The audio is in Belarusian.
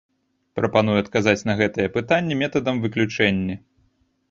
Прапаную адказаць на гэтае пытанне метадам выключэння.